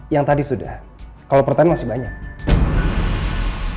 yang tadi sudah kalau pertanian masih banyak